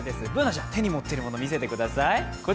Ｂｏｏｎａちゃん、手に持ってるもの見せてください。